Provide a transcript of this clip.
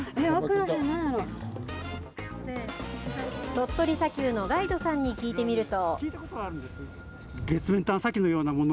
鳥取砂丘のガイドさんに聞いてみると。